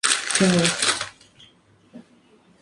Aún se conserva alguna, incluso algún pozo.